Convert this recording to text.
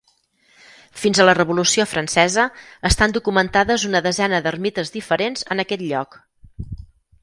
Fins a la Revolució Francesa estan documentades una desena d'ermites diferents en aquest lloc.